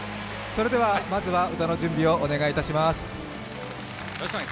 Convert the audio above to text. それでは、まずは歌の準備をお願いいたします。